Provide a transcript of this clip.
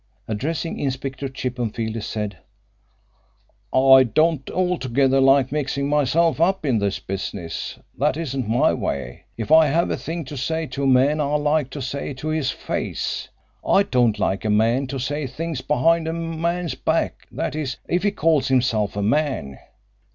Addressing Inspector Chippenfield he said: "I don't altogether like mixing myself up in this business. That isn't my way. If I have a thing to say to a man I like to say it to his face. I don't like a man to say things behind a man's back, that is, if he calls himself a man.